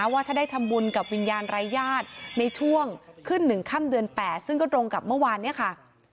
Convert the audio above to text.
ว่าถ้าได้ทำบุญกับวิญญาณรายญาติในช่วงขึ้น๑ค่ำเดือน๘ซึ่งก็ตรงกับเมื่อวานเนี่ยค่ะ